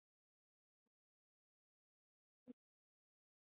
lakini ulileta pia siasa mpya ya Deal chini ya rais Franklin D Roosevelt